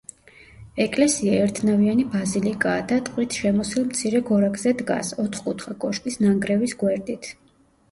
ეკლესია ერთნავიანი ბაზილიკაა და ტყით შემოსილ მცირე გორაკზე დგას, ოთხკუთხა კოშკის ნანგრევის გვერდით.